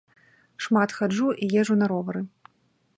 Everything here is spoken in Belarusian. Шмат хаджу і езджу на ровары.